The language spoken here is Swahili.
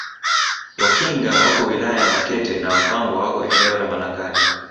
Wakinga wako wilaya ya Makete na Wapangwa wako eneo la Malangali